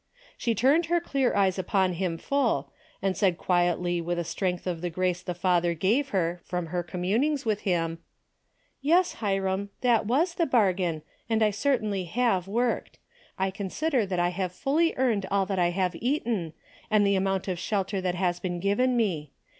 She turned her clear eyes upon him full, and said quietly with the strength of the grace the Father gave her from her com munings with him : DAILY RATE. 113 " Yes, Hiram, that was the bargain, and I certainly have worked. I consider that I have fully earned all that I have eaten, and the amount of shelter that has been given me.